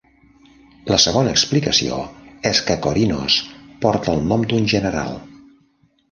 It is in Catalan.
La segona explicació és que Korinos porta el nom d"un general.